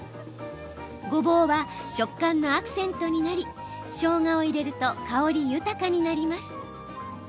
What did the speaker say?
ごぼうは食感のアクセントになりしょうがを入れると香り豊かになります。